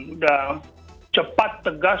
udah cepat tegas lugas